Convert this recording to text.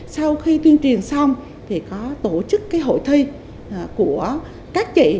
sau khi tuyên truyền xong thì có tổ chức cái hội thi của các chị